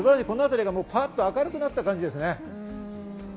この辺りがパッと明るくなった感じです。